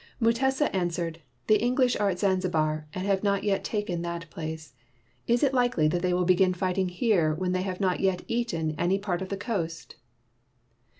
Mutesa answered: "The English are at Zanzibar and have not yet taken that place. Is it likely that the}^ will begin fighting here when they have not yet 'eaten' any part of the coast?"